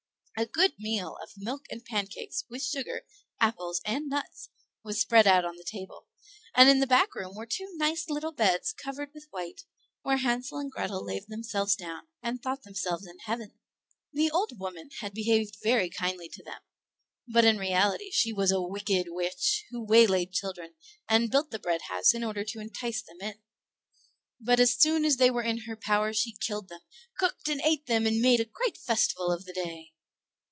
A good meal of milk and pancakes, with sugar, apples, and nuts, was spread on the table, and in the back room were two nice little beds, covered with white, where Hansel and Grethel laid themselves down, and thought themselves in heaven. The old woman had behaved very kindly to them, but in reality she was a wicked witch who waylaid children, and built the bread house in order to entice them in; but as soon as they were in her power she killed them, cooked and ate them, and made a great festival of the day.